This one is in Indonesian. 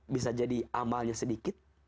bisa jadi amalnya sedikit